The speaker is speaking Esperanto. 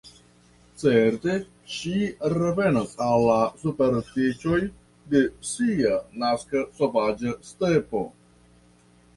Certe, ŝi revenas al la superstiĉoj de sia naska sovaĝa stepo.